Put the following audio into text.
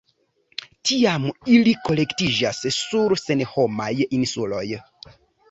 Tiam ili kolektiĝas sur senhomaj insuloj.